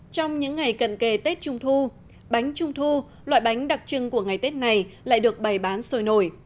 trong những ngày cận kề tết trung thu bánh trung thu loại bánh đặc trưng của ngày tết này lại được bày bán sôi nổi